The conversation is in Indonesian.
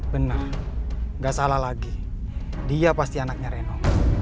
bener gak salah lagi dia pasti anaknya reno